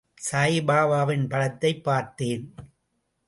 சாயிபாபாவின் படத்தை பார்த்தேன்.